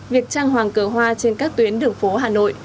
việc trăng hoàng cờ hoa trên các tuyến đường phố hà nội